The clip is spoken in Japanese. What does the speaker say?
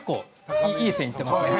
いい線いっていますね。